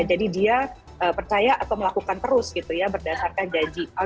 jadi dia percaya atau melakukan terus gitu ya berdasarkan janji